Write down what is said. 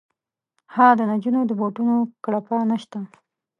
ها د نجونو د بوټونو کړپا نه شته